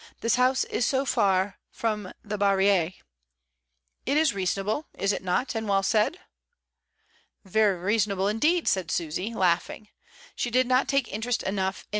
This house is so far from the harrilreV It is reasonable, is it not, and well said?" "Very reasonable, indeed," said Susy, laughing. She did not take interest enough in M.